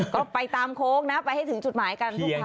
ก็ไปตามโค้งนะไปให้ถึงจุดหมายกันทุกครั้ง